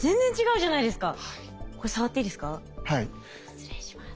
失礼します。